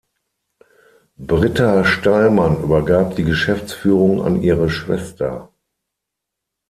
Britta Steilmann übergab die Geschäftsführung an ihre Schwester.